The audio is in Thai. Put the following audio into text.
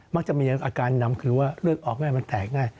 จะมีอาการนำคือว่าเลือดออกง่ายมันแตกง่าย